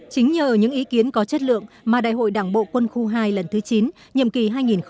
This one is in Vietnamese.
chính nhờ những ý kiến có chất lượng mà đại hội đảng bộ quân khu hai lần thứ chín nhiệm kỳ hai nghìn hai mươi hai nghìn hai mươi năm